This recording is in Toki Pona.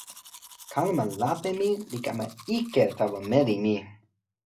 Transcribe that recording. kalama lape mi li kama ike tawa meli mi.